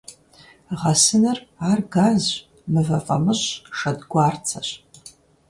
Гъэсыныр — ар газщ, мывэ фӀамыщӀщ, шэдгуарцэщ.